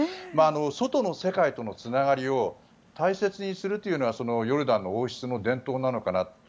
外の世界とのつながりを大切にするというのがヨルダンの王室の伝統なのかな。